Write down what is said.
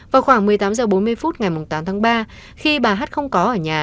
vào khoảng một mươi tám h bốn mươi phút ngày tám tháng ba khi bà hát không có ở nhà